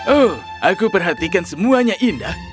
oh aku perhatikan semuanya indah